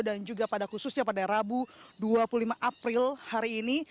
dan juga pada khususnya pada rabu dua puluh lima april hari ini